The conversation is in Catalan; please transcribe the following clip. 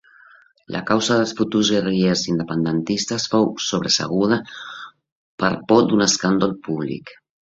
La causa dels futurs guerrillers independentistes fou sobreseguda per por d'un escàndol polític.